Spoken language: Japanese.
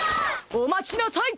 おまちなさい！